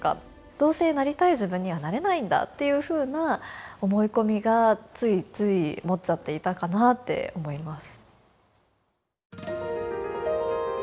どうせなりたい自分にはなれないんだっていうふうな思い込みがついつい持っちゃっていたかなって思います。